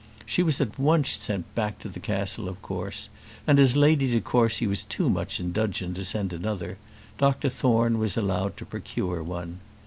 She was at once sent back to the castle, of course; and, as Lady de Courcy was too much in dudgeon to send another, Dr Thorne was allowed to procure one.